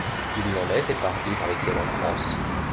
Il l'enlève et part vivre avec elle en France.